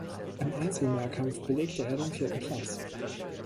Im Einzelmehrkampf belegte er den vierten Platz.